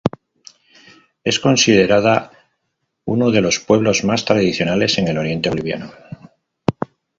Es considerada uno de los pueblos más tradicionales en el oriente boliviano.